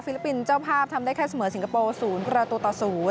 ลิปปินส์เจ้าภาพทำได้แค่เสมอสิงคโปร์๐ประตูต่อ๐